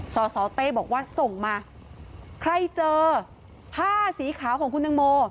สสเต้บอกว่าส่งมาใครเจอผ้าสีขาวของคุณตังโม